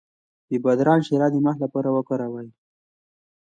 د بادرنګ شیره د مخ لپاره وکاروئ